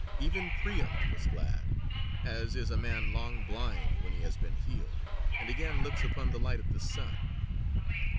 Even Priam was glad, as is a man long blind, when he has been healed, and again looks upon the light of the sun.